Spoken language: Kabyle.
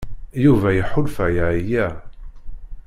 Yuba iḥulfa yeɛya.